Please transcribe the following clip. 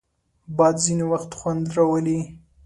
باد ځینې وخت خوند راولي